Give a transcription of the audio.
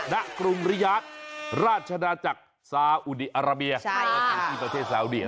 นักกรุงระยะราชดาจากซาอุดีอาราเบีย